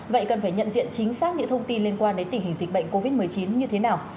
vậy cần phải nhận diện chính xác những thông tin liên quan đến tình hình dịch bệnh covid một mươi chín như thế nào